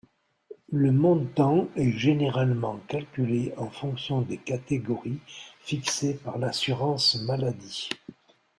Le montant est généralement calculé en fonction des catégories fixées par l’assurance maladie.